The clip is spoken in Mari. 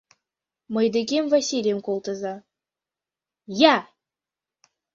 Мый декем Василийым колтыза-я!